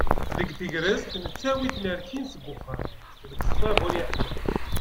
Deg tegrest, nettawi-ten rkin seg uxxam, deg ṣṣabun yeḥman.